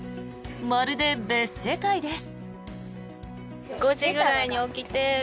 まるで別世界です。